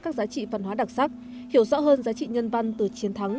các giá trị văn hóa đặc sắc hiểu rõ hơn giá trị nhân văn từ chiến thắng